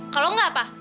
kalau enggak apa